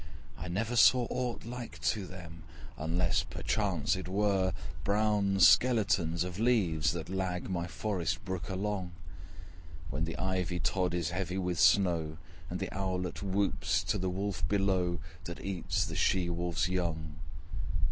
I never saw aught like to them, Unless perchance it were Brown skeletons of leaves that lag My forest brook along; When the ivy tod is heavy with snow, And the owlet whoops to the wolf below, That eats the she wolf's young.'